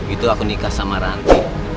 itu aku nikah sama ranti